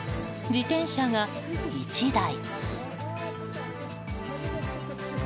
自転車が１台、２台。